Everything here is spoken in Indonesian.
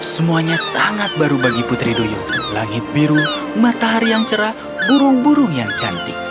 semuanya sangat baru bagi putri duyu langit biru matahari yang cerah burung burung yang cantik